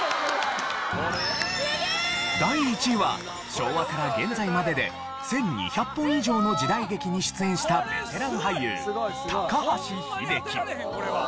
第１位は昭和から現在までで１２００本以上の時代劇に出演したベテラン俳優高橋英樹。